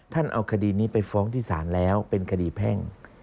เอาคดีนี้ไปฟ้องที่ศาลแล้วเป็นคดีแพ่ง